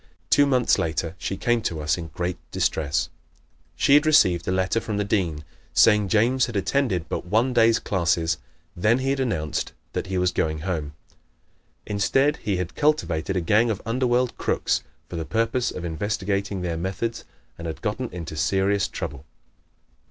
Two months later she came to us in great distress. She had received a letter from the Dean saying James had attended but one day's classes. Then he had announced that he was going home. Instead he had cultivated a gang of underworld crooks for the purpose of investigating their methods and had gotten into serious trouble.